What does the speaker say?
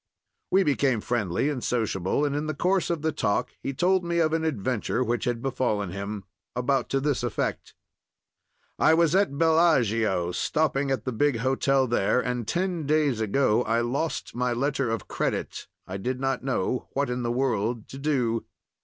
We became friendly and sociable, and in the course of the talk he told me of an adventure which had befallen him—about to this effect: "I was at Bellagio, stopping at the big hotel there, and ten days ago I lost my letter of credit. I did not know what in the world to do.